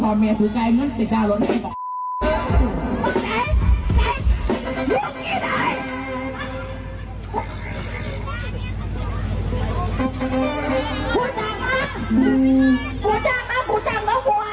โอ้โห้ยอืม